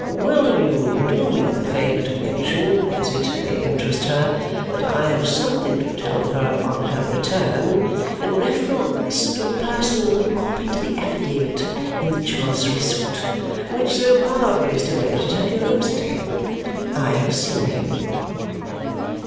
Will you do me the favour to mention (as it may interest her) that I have something to tell her on her return in reference to the person who copied the affidavit in the Chancery suit, which so powerfully stimulated her curiosity. I have seen him.'"